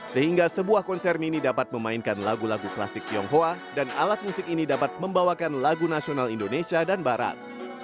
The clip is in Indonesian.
sehingga sebuah konser mini dapat memainkan lagu lagu klasik tionghoa dan alat musik ini dapat membawakan lagu nasional indonesia dan barat